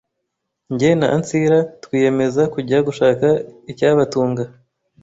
njye na Ansira twiyemeza kujya gushaka icyabatunga